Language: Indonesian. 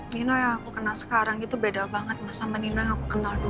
nino yang aku kenal sekarang itu beda banget sama nino yang aku kenal dulu